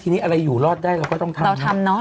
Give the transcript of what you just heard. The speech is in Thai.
ทีนี้อะไรอยู่รอดได้เราก็ต้องทำ